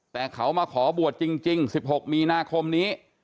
แต่เขามาขอบวชจริง๑๖มีนาคมนี้